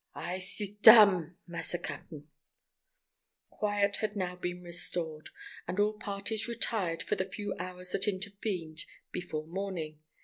"I'se dumb, massa cap'n." Quiet had now been restored, and all parties retired for the few hours that intervened before morning.